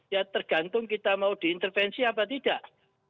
ya tergantung kita mau diintervensi apa tidak